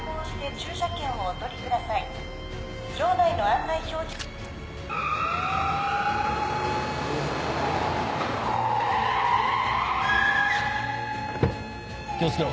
気を付けろ。